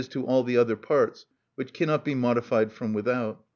_, to all the other parts, which cannot be modified from without.